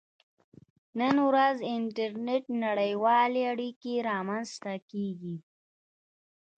• نن ورځ انټرنېټ نړیوالې اړیکې رامنځته کړې.